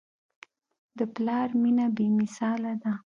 د پلار مینه بېمثاله ده.